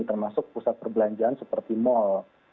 termasuk pusat perbelanjaan seperti mal